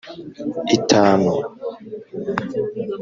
itanu